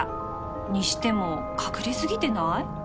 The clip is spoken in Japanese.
にしても隠れ過ぎてない？